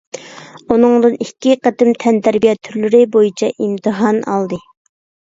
ئۇنىڭدىن ئىككى قېتىم تەنتەربىيە تۈرلىرى بويىچە ئىمتىھان ئالدى.